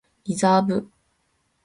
リザーブ